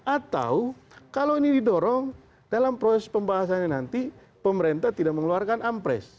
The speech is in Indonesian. atau kalau ini didorong dalam proses pembahasannya nanti pemerintah tidak mengeluarkan ampres